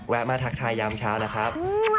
แวะมาทักทายอย่างเช้านะครับ